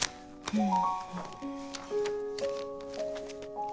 もう！